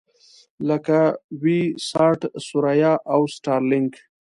لکه وي-ساټ، ثریا او سټارلېنک.